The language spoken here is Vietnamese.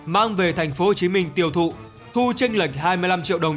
mang về tp hcm tiêu thụ thu tranh lệch hai mươi năm triệu đồng